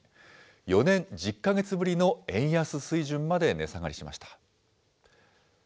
４年１０か月ぶりの円安水準まで値下がりしました。